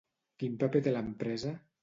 Quin paper té l'empresa?